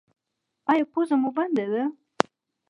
ایا پوزه مو بنده ده؟